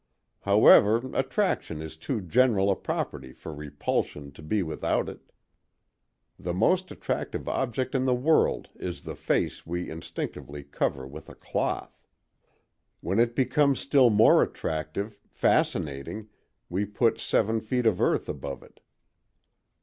However, attraction is too general a property for repulsion to be without it. The most attractive object in the world is the face we instinctively cover with a cloth. When it becomes still more attractive—fascinating—we put seven feet of earth above it.